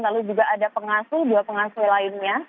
lalu juga ada pengasuh dua pengasuh lainnya